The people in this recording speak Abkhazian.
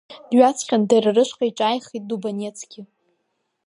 Дҩаҵҟьан, дара рышҟа иҿааихеит Дубанецгьы.